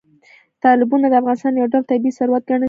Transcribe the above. تالابونه د افغانستان یو ډول طبیعي ثروت ګڼل کېږي.